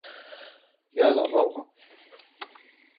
يا للروعة!